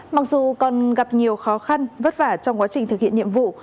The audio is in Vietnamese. mặc dù còn gặp nhiều khó khăn vất vả trong quá trình thực hiện nhiệm vụ